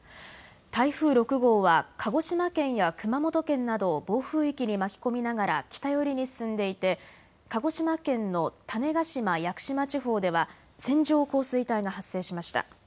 台風６号は鹿児島県や熊本県などを暴風域に巻き込みながら北寄りに進んでいて鹿児島県の種子島・屋久島地方では線状降水帯が発生しました。